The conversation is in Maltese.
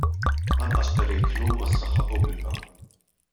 Anqas periklu għas-saħħa pubblika.